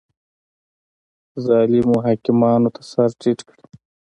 ظالمو حاکمانو ته سر ټیټ کړي